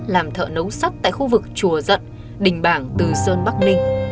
làm thợ nấu sắt tại khu vực chùa dận đình bảng từ sơn bắc ninh